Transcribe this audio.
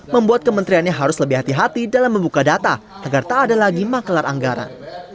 membuat kementeriannya harus lebih hati hati dalam membuka data agar tak ada lagi maklar anggaran